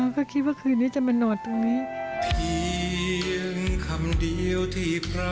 ก็คิดว่าคืนนี้จะมาโนดตรงนี้